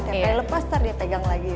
tempe lepas ntar dia pegang lagi